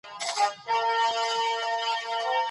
زما او ستا په